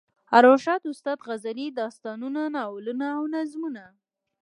ارواښاد استاد غزلې، داستانونه، ناولونه او نظمونه.